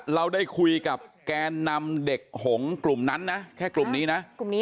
เราได้คุยกับแกนนำเด็กหงกลุ่มนั้นนะแค่กลุ่มนี้นะกลุ่มนี้